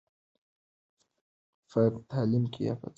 په تعلیم یافته ټولنو کې اعتماد ژور وي.